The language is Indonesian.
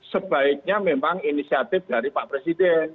sebaiknya memang inisiatif dari pak presiden